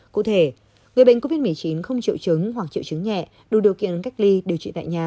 cụ thể người bệnh covid một mươi chín không triệu chứng hoặc triệu chứng nhẹ đủ điều kiện cách ly điều trị tại nhà